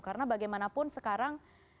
karena bagaimanapun sekarang